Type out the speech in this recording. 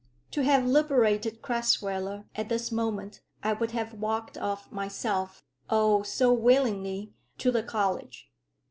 To have liberated Crasweller at this moment, I would have walked off myself, oh, so willingly, to the college!